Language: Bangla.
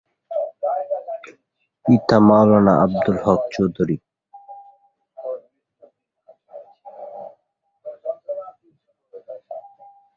পিতা মাওলানা আবদুল হক চৌধুরী।